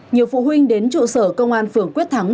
nhiều phụ huynh đến trụ sở công an phường quyết thắng